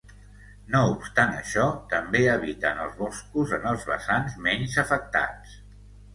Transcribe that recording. No obstant això, també habita en els boscos en els vessants menys afectats.